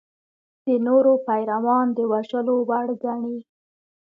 د نورو پیروان د وژلو وړ ګڼي.